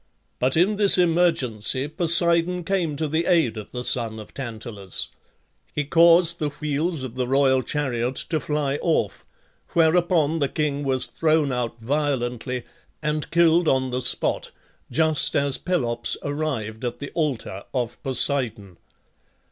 But in this emergency Poseidon came to the aid of the son of Tantalus. He caused the wheels of the royal chariot to fly off, whereupon the king was thrown out violently, and killed on the spot, just as Pelops arrived at the altar of Poseidon.